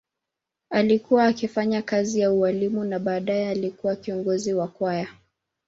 Alikuwa akifanya kazi ya ualimu na baadaye alikuwa kiongozi wa kwaya.